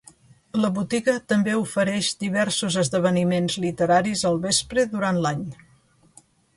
La botiga també ofereix diversos esdeveniments literaris al vespre durant l'any.